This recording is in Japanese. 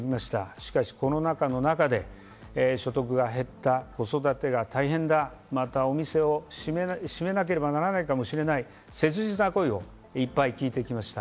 しかしコロナ禍の中で所得が減った、子育てが大変だ、また、お店を閉めなければならないかもしれない切実な声をいっぱい聞いてきました。